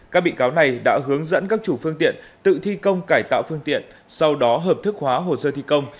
các bị cáo này đã hướng dẫn các chủ phương tiện tự thi công cải tạo phương tiện sau đó hợp thức hóa hồ sơ thi công